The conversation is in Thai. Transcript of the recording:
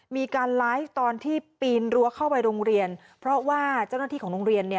มีการไลฟ์ตอนที่ปีนรั้วเข้าไปโรงเรียนเพราะว่าเจ้าหน้าที่ของโรงเรียนเนี่ย